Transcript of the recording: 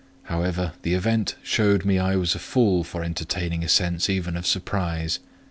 However, the event showed me I was a fool for entertaining a sense even of surprise.